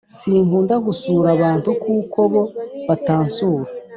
Sinkunda gusura abantu kuko bo batansura